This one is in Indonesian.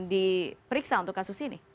diperiksa untuk kasus ini